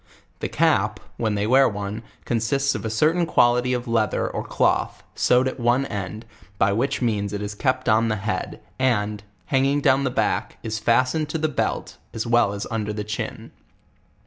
The cap, when they wear ono, consists of a certain quantity of leath er or cloth, sewed at one end, by which means it is kept on the head, and, hanging down the back, is fastened to the belt, as well as under the ciiin.